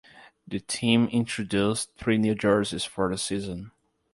The team introduced three new jerseys for the season.